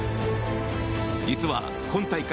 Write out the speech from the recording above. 実は今大会